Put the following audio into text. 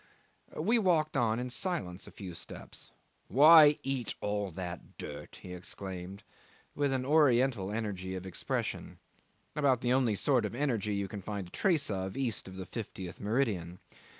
We walked on in silence a few steps. "Why eat all that dirt?" he exclaimed, with an oriental energy of expression about the only sort of energy you can find a trace of east of the fiftieth meridian.